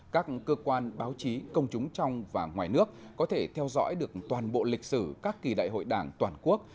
các cơ quan báo chí công chúng trong và ngoài nước có thể theo dõi được toàn bộ lịch sử các kỳ đại hội đảng toàn quốc